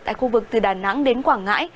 tại khu vực từ đà nẵng đến quảng ngãi